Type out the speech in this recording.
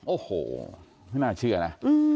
โอ้โหไม่น่าเชื่อนะ